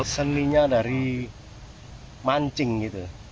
seninya dari mancing gitu